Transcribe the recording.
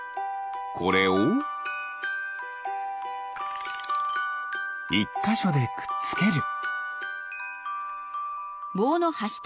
これを１かしょでくっつける。